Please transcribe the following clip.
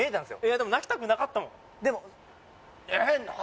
でも泣きたくなかったもん。